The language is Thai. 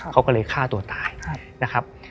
เขาก็เลยฆ่าตัวตายนะครับ